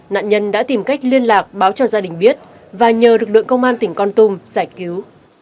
nạn nhân đã tìm cách liên lạc báo cho gia đình biết và nhờ lực lượng công an tỉnh con tum giải cứu